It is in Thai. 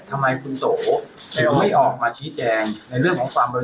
ทำไมคุณโสไม่ออกมาชี้แจงในเรื่องของความบริ